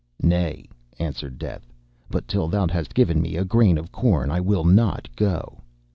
'Nay,' answered Death, 'but till thou hast given me a grain of corn I will not go.